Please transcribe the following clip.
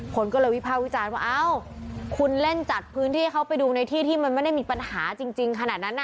คนก็เลยวิภาควิจารณ์ว่าอ้าวคุณเล่นจัดพื้นที่ให้เขาไปดูในที่ที่มันไม่ได้มีปัญหาจริงขนาดนั้น